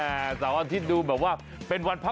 ได้เวลามากันให้สบัดกับเราสองคนใน